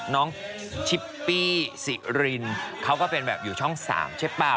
น้องชิปปี้สิรินเขาก็เป็นแบบอยู่ช่อง๓ใช่เปล่า